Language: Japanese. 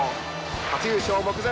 初優勝目前。